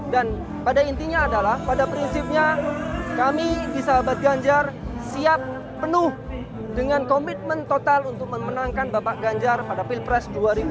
dan pada intinya adalah pada prinsipnya kami di sahabat ganjar siap penuh dengan komitmen total untuk memenangkan bapak ganjar pada pilpres dua ribu dua puluh empat